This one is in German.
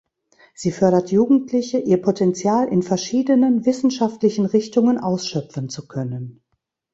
Sie fördert Jugendliche, ihr Potential in verschiedenen wissenschaftlichen Richtungen ausschöpfen zu können.